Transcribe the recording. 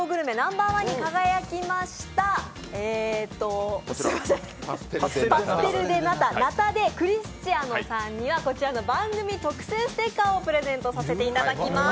えーとパステル・デ・ナタ、ナタ・デ・クリスチアノさんにはこちらの番組特製ステッカーをプレゼントさせていただきます。